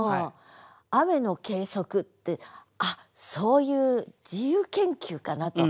「雨の計測」って「あっそういう自由研究かな？」と。